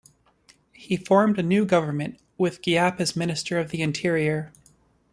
He formed a new government, with Giap as Minister of the Interior.